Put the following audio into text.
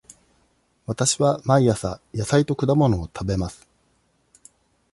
わたしは毎朝野菜と果物を食べます。